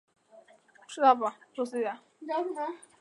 口头传统是一种由口头来一代代传播的文化资料及传统。